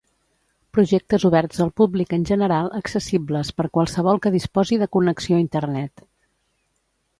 Projectes oberts al públic en general accessibles per qualsevol que disposi de connexió Internet